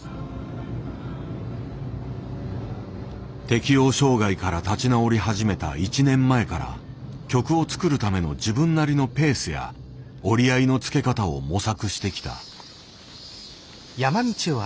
適応障害から立ち直り始めた１年前から曲を作るための自分なりのペースや折り合いのつけ方を模索してきた。